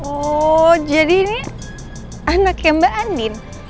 oh jadi ini anaknya mbak andin